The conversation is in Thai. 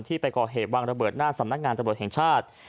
ไปก่อเหตุวางระเบิดหน้าสำนักงานตำรวจแห่งชาติ